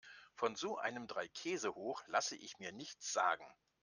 Von so einem Dreikäsehoch lasse ich mir nichts sagen.